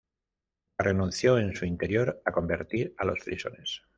Nunca renunció, en su interior, a convertir a los frisones.